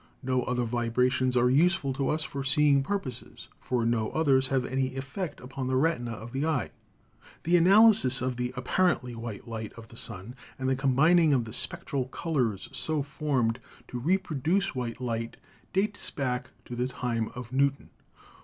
No other vibrations are useful to us for seeing purposes, for no others have any effect upon the retina of the eye. The analysis of the apparently white light of the sun and the combining of the spectral no PHYSICS colors so formed to reproduce white light dates back to the time of Newton.